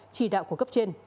chỉ đạo của cấp trên